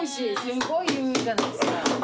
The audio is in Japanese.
すごい言うじゃないですか。